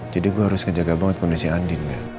jadi gue harus ngejaga banget kondisi andin gak